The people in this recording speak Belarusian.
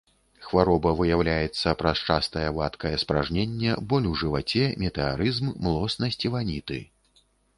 Хвароба выяўляецца праз частае вадкае спаражненне, боль у жываце, метэарызм, млоснасць і ваніты.